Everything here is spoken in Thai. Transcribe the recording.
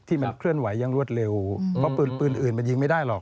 มันเคลื่อนไหวยังรวดเร็วเพราะปืนปืนอื่นมันยิงไม่ได้หรอก